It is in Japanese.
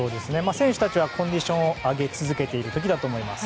選手たちはコンディションを上げ続けている時だと思います。